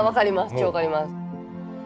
超分かります。